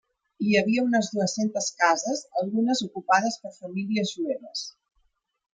Hi havia unes dues-centes cases algunes ocupades per famílies jueves.